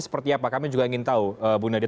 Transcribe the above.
seperti apa kami juga ingin tahu bu nadia